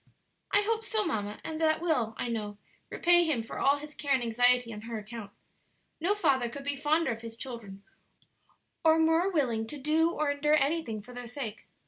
"I hope so, mamma; and that will, I know, repay him for all his care and anxiety on her account. No father could be fonder of his children or more willing to do or endure anything for their sake.